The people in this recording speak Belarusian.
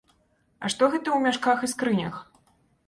А што гэта ў мяшках і скрынях?